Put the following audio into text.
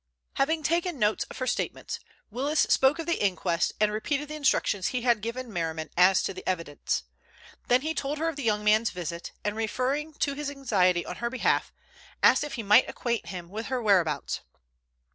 Having taken notes of her statements, Willis spoke of the inquest and repeated the instructions he had given Merriman as to the evidence. Then he told her of the young man's visit, and referring to his anxiety on her behalf, asked if he might acquaint him with her whereabouts.